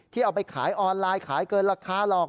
เอาไปขายออนไลน์ขายเกินราคาหรอก